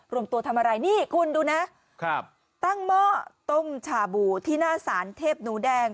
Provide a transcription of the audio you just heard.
รวมตัวทำอะไรนี่คุณดูนะตั้งหม้อต้มชาบูที่หน้าสารเทพหนูแดง